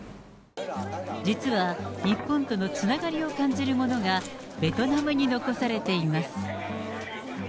実は日本とのつながりを感じるものがベトナムに残されています。